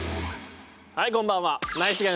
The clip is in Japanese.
はいこんばんは。